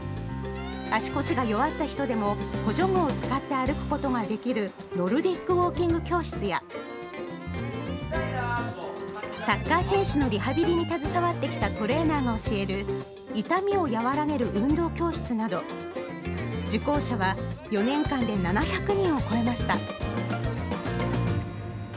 足腰が弱った人でも補助具を使って歩くことができるノルディックウォーキング教室やサッカー選手のリハビリに携わってきたトレーナーが教える痛みを和らげる運動教室など受講者は４年間で７００人を超えました。